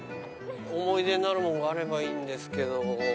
思い出になるものがあればいいんですけど。